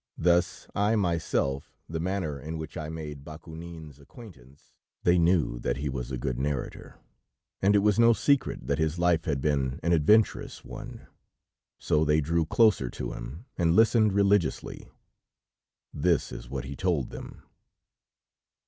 Thus, I myself, the manner in which I made Bakounine's acquaintance ..." They knew that he was a good narrator, and it was no secret that his life had been an adventurous one, so they drew closer to him, and listened religiously. This is what he told them.